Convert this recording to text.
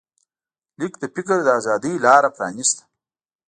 لیک د فکر د ازادۍ لاره پرانسته.